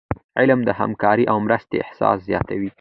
علم د همکاری او مرستي احساس زیاتوي.